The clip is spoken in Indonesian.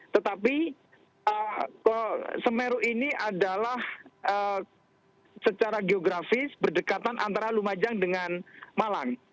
tetapi semeru ini adalah secara geografis berdekatan antara lumajang dengan malang